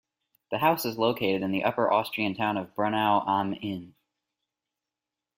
The house is located in the upper-Austrian town of Braunau am Inn.